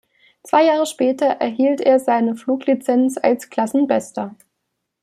Zwei Jahre später erhielt er seine Fluglizenz als Klassenbester.